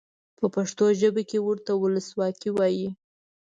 په پښتو ژبه کې ورته ولسواکي وایي.